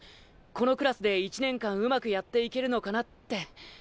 このクラスで１年間うまくやっていけるのかなって。